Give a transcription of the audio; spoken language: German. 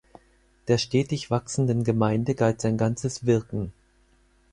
Der stetig wachsenden Gemeinde galt sein ganzes Wirken.